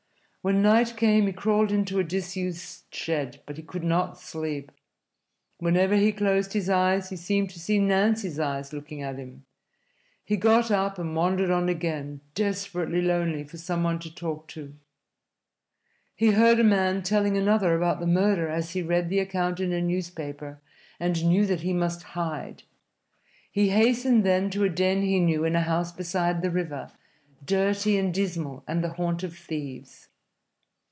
When night came he crawled into a disused shed, but he could not sleep. Whenever he closed his eyes he seemed to see Nancy's eyes looking at him. He got up and wandered on again, desperately lonely for some one to talk to. He heard a man telling another about the murder as he read the account in a newspaper, and knew that he must hide. He hastened then to a den he knew in a house beside the river, dirty and dismal and the haunt of thieves.